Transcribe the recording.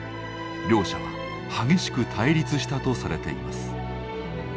両者は激しく対立したとされています。